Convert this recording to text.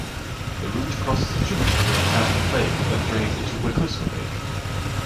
The route crosses a tributary of Tramping Lake that drains into Wekusko Lake.